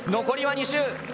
残りは２周。